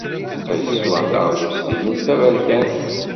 Ad sweɣ taɣlust-inu d taberkant.